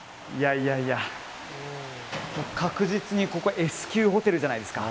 確実に、ここはＳ級ホテルじゃないですか。